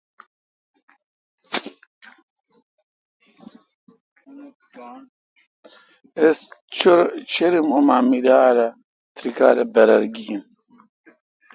اس چِرم ام میلال ا تری کال برر گین۔